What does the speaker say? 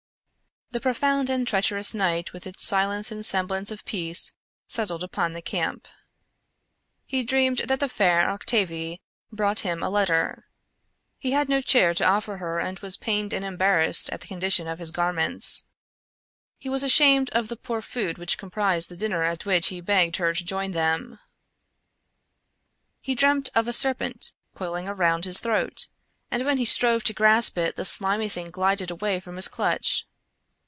The profound and treacherous night with its silence and semblance of peace settled upon the camp. He dreamed that the fair Octavie brought him a letter. He had no chair to offer her and was pained and embarrassed at the condition of his garments. He was ashamed of the poor food which comprised the dinner at which he begged her to join them. He dreamt of a serpent coiling around his throat, and when he strove to grasp it the slimy thing glided away from his clutch.